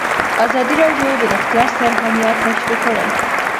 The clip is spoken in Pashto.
ازادي راډیو د روغتیا ستر اهميت تشریح کړی.